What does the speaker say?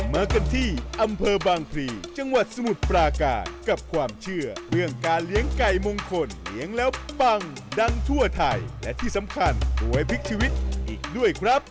มากันที่อำเภอบางพลีจังหวัดสมุทรปราการกับความเชื่อเรื่องการเลี้ยงไก่มงคลเลี้ยงแล้วปังดังทั่วไทยและที่สำคัญมวยพลิกชีวิตอีกด้วยครับ